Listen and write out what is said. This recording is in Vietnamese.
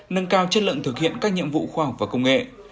nâng cao chất lượng thực hiện các nhiệm vụ khoa học và công nghệ